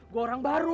gue orang baru